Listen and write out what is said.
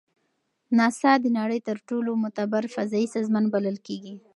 ناسا د نړۍ تر ټولو معتبر فضایي سازمان بلل کیږي.